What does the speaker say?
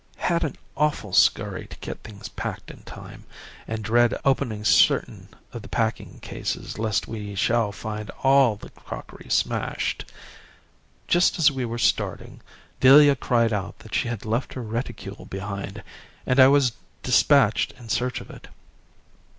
Had an awful scurry to get things packed in time, and dread opening certain of the packing cases lest we shall find all the crockery smashed. Just as we were starting Delia cried out that she had left her reticule behind, and I was despatched in search of it.